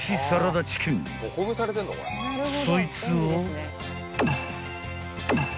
［そいつを］